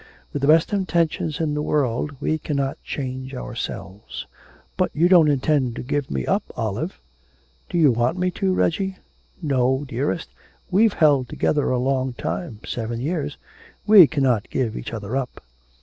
With the best intentions in the world we cannot change ourselves.' 'But you don't intend to give me up, Olive?' 'Do you want me to, Reggie?' 'No, dearest, we've held together a long time seven years we cannot give each other up.'